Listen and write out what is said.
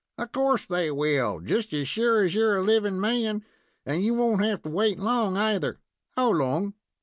Of course they will, just as sure as you're a livin' man. And you won't have to wait long, either." "How long?"